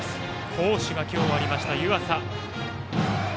好守が今日あった湯浅。